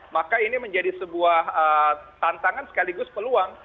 maka ini menjadi sebuah tantangan sekaligus peluang